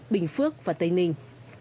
bình phước và tây ninh